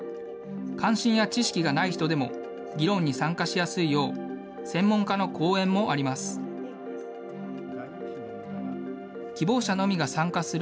関心や知識がない人でも、議論に参加しやすいよう、専門家の講演もあります。